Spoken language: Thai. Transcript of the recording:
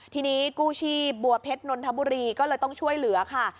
ทีนี้กู้ชีพบัวเพชรนนทบุรีก็เลยต้องช่วยเหลือค่ะ